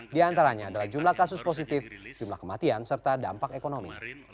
di antaranya adalah jumlah kasus positif jumlah kematian serta dampak ekonomi